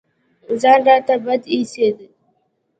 ځان راته بد اېسېد.